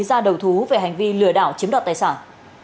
ra đầu thú về hành vi lừa đảo chiếm đoạt tài sản